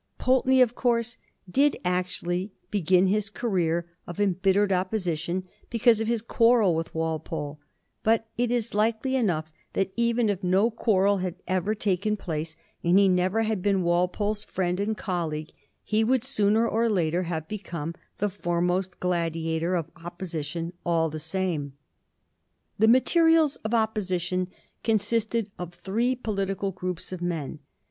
Pulteney, of course, did actually begin his career of embittered opposition because of his quarrel with Walpole ; but it is likely enough that even if no quarrel had ever taken place and he never had been Walpole's friend and colleague, he would sooner or later have become the foremost gladiator of opposition all the same. The materials of opposition consisted of three political groups of men.